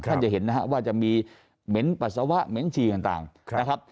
ค่ะท่านจะเห็นนะว่าจะมีเหม็นปัสสาวะเหม็นฉี่กันต่างนะครับ